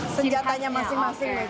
senjatanya masing masing ya